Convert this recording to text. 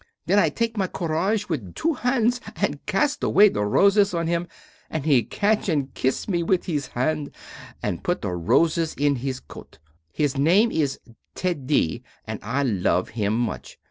Then I take my courage with two hands and cast away the roses on him, and he catch and kiss me with his hand, and put the roses in his coat. His name is Teddy and I love him much.